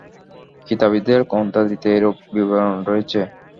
কিতাবীদের গ্রন্থাদিতে এরূপ বিবরণ রয়েছে।